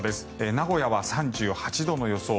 名古屋は３８度の予想。